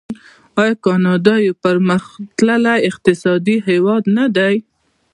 آیا کاناډا یو پرمختللی اقتصادي هیواد نه دی؟